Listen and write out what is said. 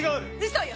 嘘よ！